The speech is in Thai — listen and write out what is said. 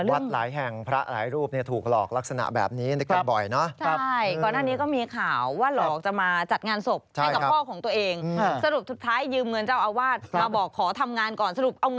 วัดหลายแห่งพระหลายรูปถูกหลอกลักษณะแบบนี้ด้วยกันบ่อยนะ